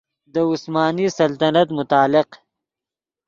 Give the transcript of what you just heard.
دے عثمانی سلطنت متعلق